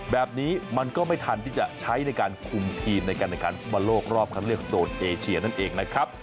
แบบนี้มันก็ไม่ทันที่จะใช้ในการคุมทีมในการในการฟุตบอลโลกรอบคันเลือกโซนเอเชียนั่นเองนะครับ